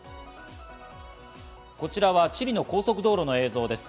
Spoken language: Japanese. こちらはチリの高速道路の映像です。